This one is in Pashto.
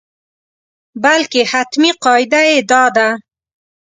بلکې حتمي قاعده یې دا ده.